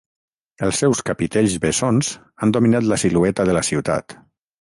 Els seus capitells bessons han dominat la silueta de la ciutat.